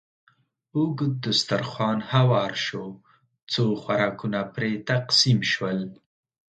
اوږد دسترخوان هوار شو، څو خوراکونه پرې تقسیم شول.